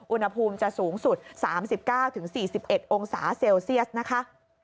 อุณหภูมิจะสูงสุด๓๙๔๑องศาเซลเซียสนะคะ